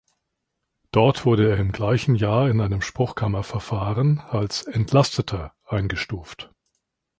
Dort wurde er im gleichen Jahr in einem Spruchkammerverfahren als "Entlasteter" eingestuft.